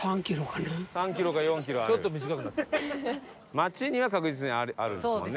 街には確実にあるんですもんね。